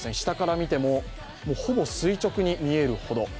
下から見てもほぼ垂直に見えるほど。